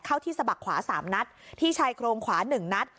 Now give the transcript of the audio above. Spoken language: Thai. เข้าที่สะบักขวาสามนัดที่ชายโครงขวาหนึ่งนัด